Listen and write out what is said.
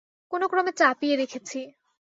কোনোক্রমে চাপিয়ে রেখেছি।